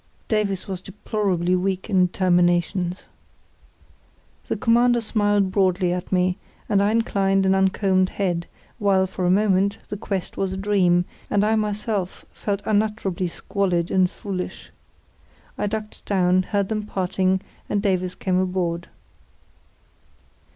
(Davies was deplorably weak in terminations.) The Commander smiled broadly at me, and I inclined an uncombed head, while, for a moment, the quest was a dream, and I myself felt unutterably squalid and foolish. I ducked down, heard them parting, and Davies came aboard.